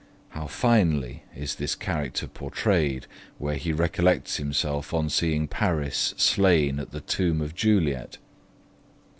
How finely is this character portrayed where he recollects himself on seeing Paris slain at the tomb of Juliet!